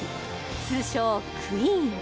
通称クイーン